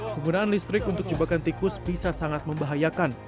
penggunaan listrik untuk jebakan tikus bisa sangat membahayakan